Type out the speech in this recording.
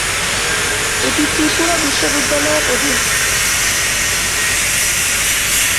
এটি ত্রিপুরা বিশ্ববিদ্যালয়ের অধিভুক্ত।